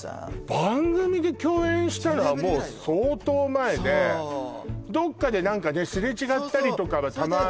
番組で共演したのはもう相当前でどっかで何かすれ違ったりとかはたまにあるんだけど